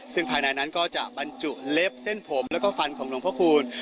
ซึ่งภายในก็จะบรรจุเล็บเส้นผมและฟันของหลวงพ่อเขิล